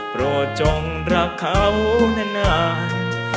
โปรดจงรักเขานาน